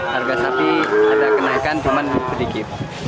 harga sapi ada kenaikan cuma sedikit